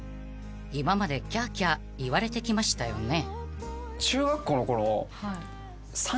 ［今までキャーキャー言われてきましたよね？］